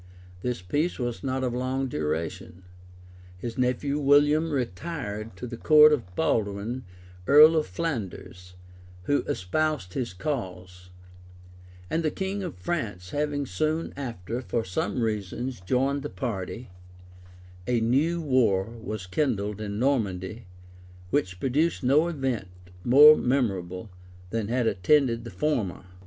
This peace was not of long duration. His nephew William retired to the court of Baldwin, earl of Flanders, who espoused his cause; and the king of France, having soon after, for other reasons, joined the party, a new war was kindled in Normandy, which produced no event more memorable than had attended the former.